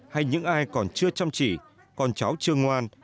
hay những ai còn chưa chăm chỉ còn cháu chưa ngoan